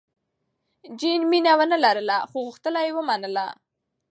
جین مینه ونه لرله، خو غوښتنه یې ومنله.